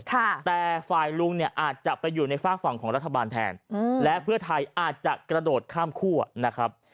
แต่ฝ่ายลุงเนี่ยอาจจะไปอยู่ในฝากฝั่งของรัฐบาลแทนอืมและเพื่อไทยอาจจะกระโดดข้ามคั่วนะครับ